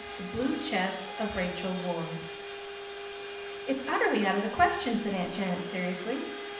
THE BLUE CHEST OF RACHEL WARD "It's utterly out of the question," said Aunt Janet seriously.